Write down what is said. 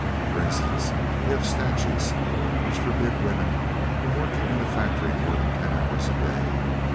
For instance, we have statutes which forbid women from working in a factory more than ten hours a day.